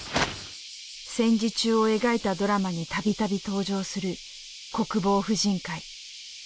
戦時中を描いたドラマに度々登場する国防婦人会。